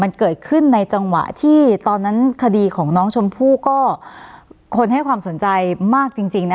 มันเกิดขึ้นในจังหวะที่ตอนนั้นคดีของน้องชมพู่ก็คนให้ความสนใจมากจริงจริงนะ